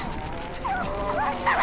でもどうしたら。